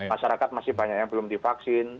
masyarakat masih banyak yang belum divaksin